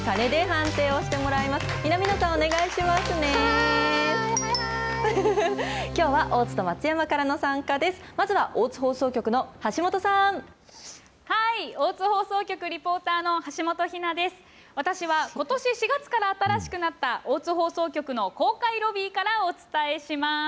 私はことし４月から新しくなった、大津放送局の公開ロビーからお伝えします。